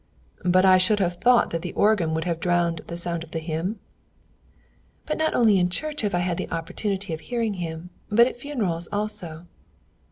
"But I should have thought that the organ would have drowned the sound of the hymn?" "But not only in church have I had the opportunity of hearing him, but at funerals also."